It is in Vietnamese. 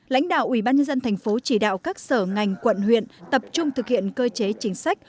lãnh đạo ubnd tp chỉ đạo các sở ngành quận huyện tập trung thực hiện cơ chế chính sách